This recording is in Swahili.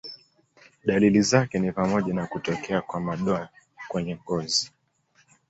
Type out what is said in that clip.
Dalili zake ni pamoja na kutokea kwa madoa kwenye ngozi.